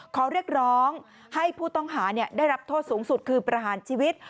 ขอเรียกร้องให้ผู้ต้องหาได้รับโทษสูงสุดคือประหารชีวิต